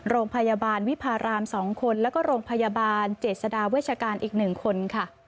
โรงพยาบาลวิพาราม๒คนแล้วก็โรงพยาบาลเจษฎาเวชการอีก๑คนค่ะ